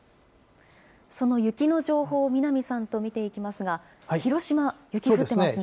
その雪の情報を南さんと見ていきますが、広島、雪降ってますね。